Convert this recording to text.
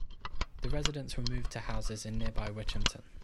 The residents were moved to houses in nearby Witchampton.